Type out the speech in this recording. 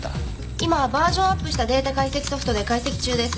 今バージョンアップしたデータ解析ソフトで解析中です。